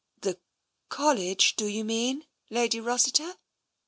The — College, do you mean. Lady Rossiter